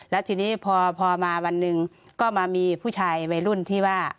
แล้วทีนี้พอมาวันหนึ่งก็มามีผู้ชายวัยรุ่นที่ว่า